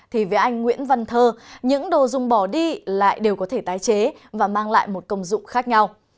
thì với anh nguyễn văn thơ những đồ dùng bỏ đi lại đều có thể tái chế và mang lại một công dụng khác nhau